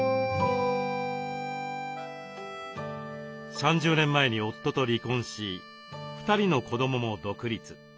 ３０年前に夫と離婚し２人の子どもも独立。